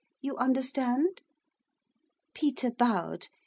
You understand?' Peter bowed.